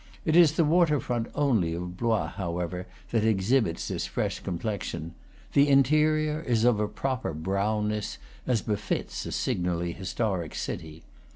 It is the water front only of Blois, however, that exhibits, this fresh complexion; the in terior is of a proper brownness, as befits a signally historic city.